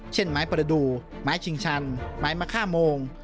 ไม้ประดูกไม้ชิงชันไม้มะค่าโมง